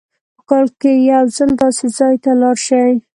په کال کې یو ځل داسې ځای ته لاړ شئ.